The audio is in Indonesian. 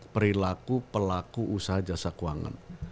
perilaku pelaku usaha jasa keuangan